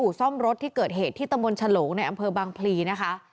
อู่ซ่อมรถที่เกิดเหตุที่ตรรมชโหลกในบบังพลีนะคะ